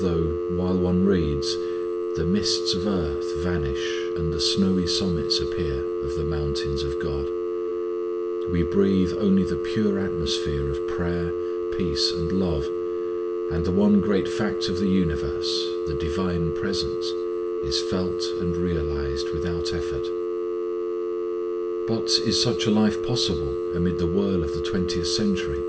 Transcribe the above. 5 Preface though, while one reads, the mists of earth vanish and the snowy summits appear of the mountains of God, We breathe only the pure atmosphere of prayer, peace, and love, and the one great fact of the universe, the Divine Presence, is felt and realized without effort. But is such a life possible amid the whirl of the twentieth century?